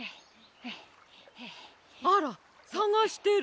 あらさがしてる。